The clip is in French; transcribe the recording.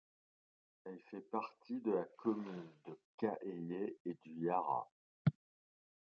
Elle fait partie de la commune de Kaélé et du Lara.